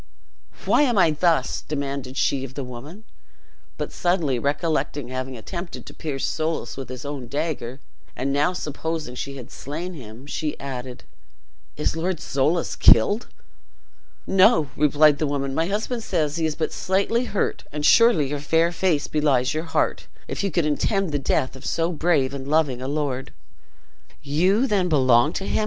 "Why am I thus?" demanded she of the woman; but suddenly recollecting having attempted to pierce Soulis with his own dagger, and now supposing she had slain him, she added, "Is Lord Soulis killed?" "No," replied the woman; "my husband says he is but slightly hurt; and surely your fair face belies your heart, if you could intend the death of so brave and loving a lord!" "You then belong to him?"